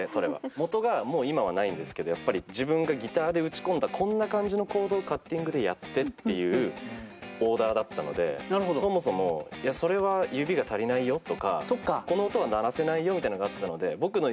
元がもう今はないんですけどやっぱり自分がギターで打ち込んだこんな感じのコードをカッティングでやってっていうオーダーだったのでそもそもそれはみたいなのがあったので。